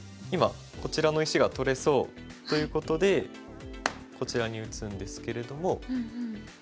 今こちらの石が取れそうということでこちらに打つんですけれども。